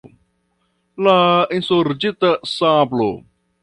La ensorĉita sabro.